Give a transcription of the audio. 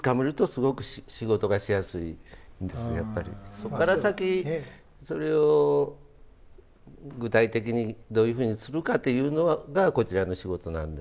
そこから先それを具体的にどういうふうにするかというのがこちらの仕事なんで。